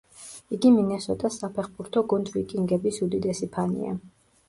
იგი მინესოტას საფეხბურთო გუნდ „ვიკინგების“ უდიდესი ფანია.